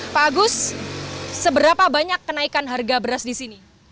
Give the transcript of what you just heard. pak agus seberapa banyak kenaikan harga beras di sini